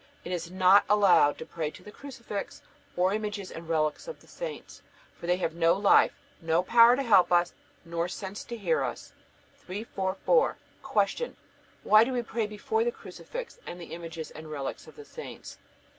It is not allowed to pray to the crucifix or images and relics of the saints, for they have no life, nor power to help us, nor sense to hear us. 344. Q. Why do we pray before the crucifix and the images and relics of the saints?